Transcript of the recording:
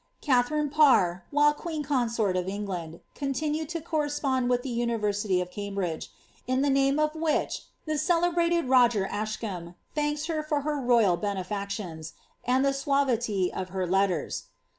Katharine Parr, while queen consort of England, continued to corre* ^lond with the university of Cambridge, in tlio name of whieli the cele ^tecJ Roger Ascham thanks her for her royal benefaciions, and the 'tiaviiy of her letters.